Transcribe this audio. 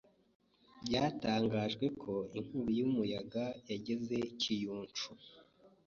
Byatangajwe ko inkubi y'umuyaga yegereye Kyushu.